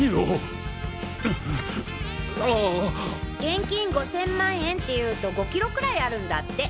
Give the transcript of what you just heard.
現金５０００万円っていうと５キロくらいあるんだって。